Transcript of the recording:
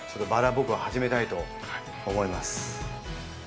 僕も始めたいと思います。